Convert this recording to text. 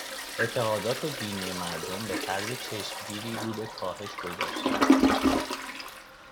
اعتقادات دینی مردم به طرز چشمگیری رو به کاهش گذاشته است